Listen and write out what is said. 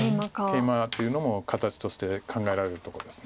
ケイマというのも形として考えられるとこです。